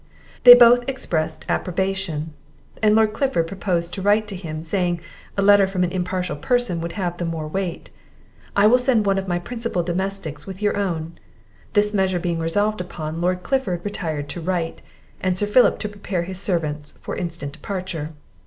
They both expressed approbation, and Lord Clifford proposed to write to him, saying, a letter from an impartial person will have the more weight; I will send one of my principal domestics with your own. This measure being resolved upon, Lord Clifford retired to write, and Sir Philip to prepare his servants for instant departure.